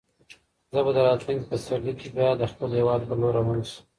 زه به په راتلونکي پسرلي کې بیا د خپل هیواد په لور روان شم.